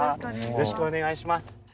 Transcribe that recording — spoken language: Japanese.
よろしくお願いします。